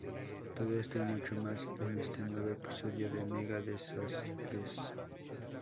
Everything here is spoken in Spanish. Todo esto y mucho más en este nuevo episodio de Mega Desastres.